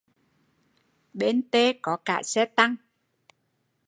Bên tê có cả xe tăng